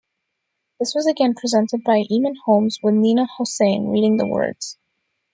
This was again presented by Eamonn Holmes, with Nina Hossain reading the words.